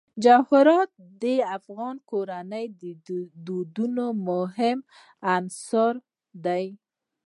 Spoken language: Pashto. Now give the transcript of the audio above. جواهرات د افغان کورنیو د دودونو مهم عنصر دی.